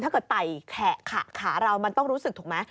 ไต่แขะขาเรามันต้องรู้สึกถูกไหม